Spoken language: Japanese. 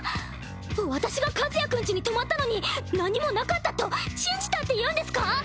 私が和也君家に泊まったのに何もなかったと信じたっていうんですか